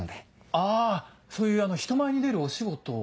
あぁそういう人前に出るお仕事を。